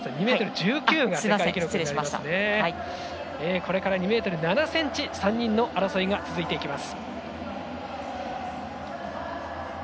これから２ｍ７ｃｍへと３人の争いが続いていきます。